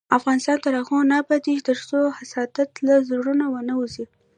افغانستان تر هغو نه ابادیږي، ترڅو حسادت له زړونو ونه وځي.